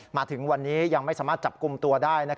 มาถึงวันนี้ยังไม่สามารถจับกลุ่มตัวได้